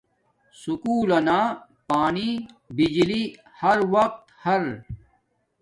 سکُول لنا پانی بجلی ہر وقت ہر